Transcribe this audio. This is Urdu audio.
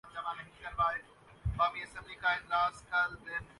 تو اس کے چند نتائج ناگزیر ہیں۔